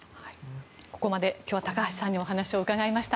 ここまで今日は高橋さんにお話を伺いました。